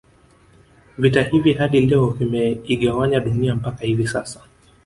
Vita hivi hadi leo vimeigawanya Dunia mpaka hivi sasa